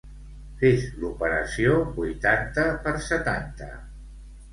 Fes l'operació vuitanta per setanta.